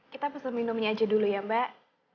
kita pesan minumnya aja dulu ya mbak